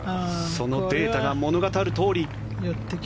そのデータが物語るとおり。